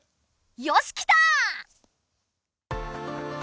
よしきた！